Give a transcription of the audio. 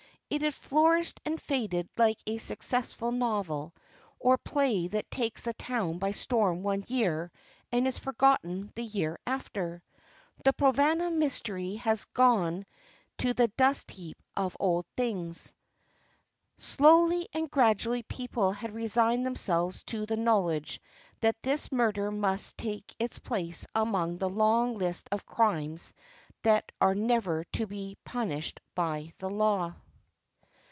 It had flourished and faded like a successful novel, or a play that takes the town by storm one year and is forgotten the year after. The Provana mystery had gone to the dust heap of old things. Slowly and gradually people had resigned themselves to the knowledge that this murder must take its place among the long list of crimes that are never to be punished by the law.